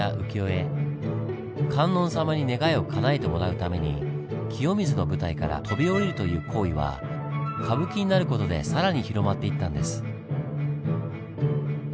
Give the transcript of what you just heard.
観音様に願いをかなえてもらうために清水の舞台から飛び降りるという行為は歌舞伎になる事で更に広まっていったんです。